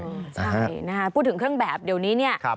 ใช่นะคะพูดถึงเครื่องแบบเดี๋ยวนี้เนี่ย